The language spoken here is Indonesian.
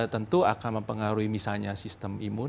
tentu akan mempengaruhi misalnya sistem imun